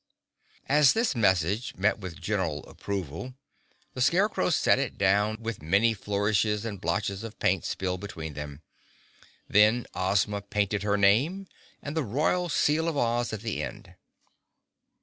As this message met with general approval, the Scarecrow set it down with many flourishes and blotches of paint spilled between. Then Ozma painted her name and the Royal seal of Oz at the end.